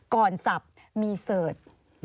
ก่อนสับมีเสิร์ช